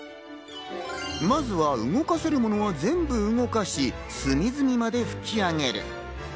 まずは動かせるものは全部動かし、隅々まで拭き上げる。